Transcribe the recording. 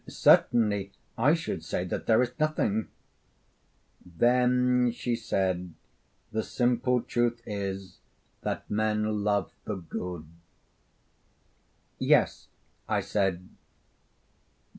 'Certainly, I should say, that there is nothing.' 'Then,' she said, 'the simple truth is, that men love the good.' 'Yes,' I said.